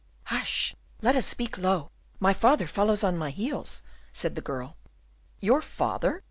"Hush! let us speak low: my father follows on my heels," said the girl. "Your father?"